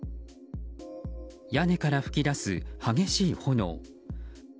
屋根から噴き出す激しい炎。